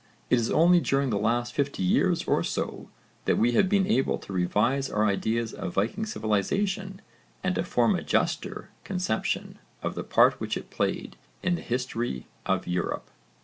It is only during the last fifty years or so that we have been able to revise our ideas of Viking civilisation and to form a juster conception of the part which it played in the history of Europe.